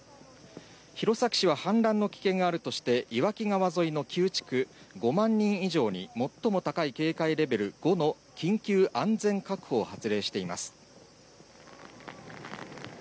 弘前市は氾濫の危険があるとして岩木川沿いの９地区、５万人以上に最も高い警戒レベル５の緊急安全確保を発令しています。